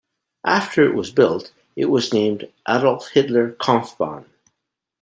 After It was built, it was named "Adolf-Hitler-Kampfbahn".